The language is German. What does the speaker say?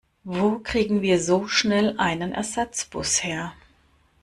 Wo kriegen wir so schnell einen Ersatzbus her?